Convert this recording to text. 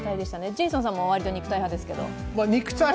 ジェイソンさんもわりと肉体派ですけど。